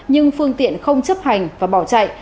nhưng phương tiện không chấp hành và bỏ chạy